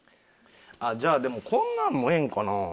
じゃあでもこんなんもええんかな？